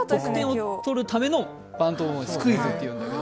得点を取るためのバントをスクイズっていうんだけど。